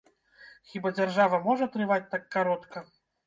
Хіба дзяржава можа трываць так каротка?